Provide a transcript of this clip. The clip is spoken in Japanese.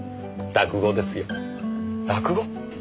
落語？